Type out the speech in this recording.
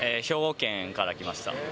兵庫県から来ました。